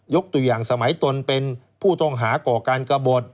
ตัวอย่างสมัยตนเป็นผู้ต้องหาก่อการกระบด